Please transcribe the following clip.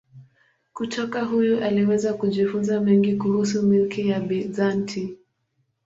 Kutoka huyu aliweza kujifunza mengi kuhusu milki ya Bizanti.